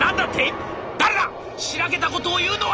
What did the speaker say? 誰だシラけたことを言うのは！」。